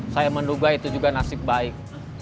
saya menduga itu juga nasib baik